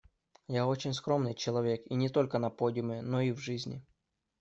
Я очень скромный человек, и не только на подиуме, но и в жизни.